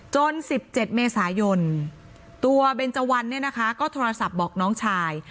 ๑๗เมษายนตัวเบนเจวันเนี่ยนะคะก็โทรศัพท์บอกน้องชาย